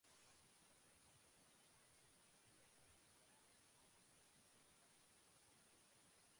The outer bank is about three meters wide and about one meter high.